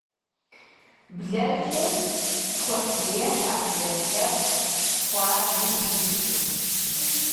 Блэшэр щхъухьзехьэ блэ лъэпкъщ, хуабжьу зидзу.